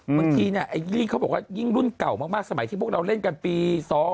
บางทีเนี่ยไอ้ลี่เขาบอกว่ายิ่งรุ่นเก่ามากสมัยที่พวกเราเล่นกันปี๒๕๖